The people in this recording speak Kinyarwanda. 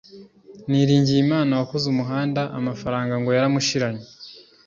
niringiyimana wakoze umuhanda amafaranga ngo yaramushiranye